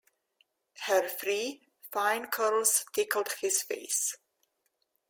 Her free, fine curls tickled his face.